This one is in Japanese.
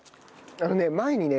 あのね前にね